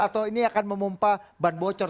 atau ini akan memumpah ban bocor